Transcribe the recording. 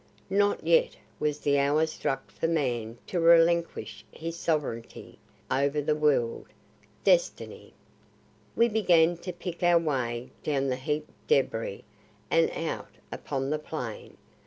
Not yet was the hour struck for man to relinquish his sovereignty over the world. Destiny!" We began to pick our way down the heaped debris and out upon the plain.